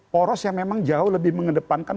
poros yang memang jauh lebih mengedepankan